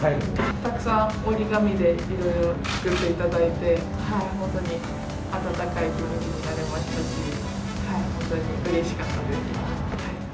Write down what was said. たくさん折り紙でいろいろ作っていただいて、本当に温かい気持ちになれましたし、本当にうれしかったです。